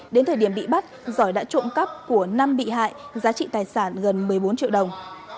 đến thời điểm bị bắt giỏi đã trộm cắp của năm bị hại giá trị tài sản gần một mươi bốn triệu đồng